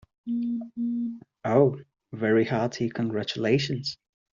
Oh, very hearty congratulations.